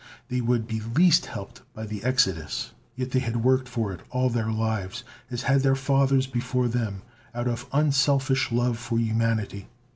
They would be least helped by the Exodus. Yet they had worked for it all their lives, as had their fathers before them, out of unselfish love for humanity.